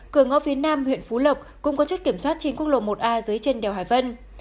cửa ngõ phía nam huyện phú lộc cũng có chốt kiểm soát trên quốc lộ một a dưới chân đèo hải vân